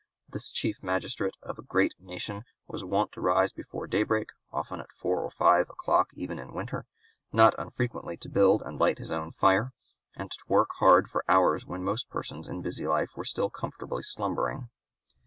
This chief magistrate of a great nation was wont to rise before daybreak, often at four or five o'clock even in winter, not unfrequently to build and light his own fire, and to work hard for hours when most persons in busy life were still comfortably slumbering.